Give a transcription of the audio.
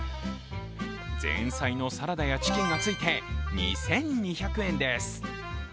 前菜のサラダやチキンがついて２２００円です。